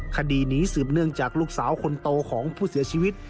คดีนี้สืบเนื่องจากลูกสาวคนโตของผู้เสียชีวิต